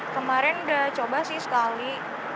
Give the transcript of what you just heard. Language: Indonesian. kemarin udah coba sih sekali